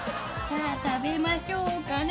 さあ食べましょうかね。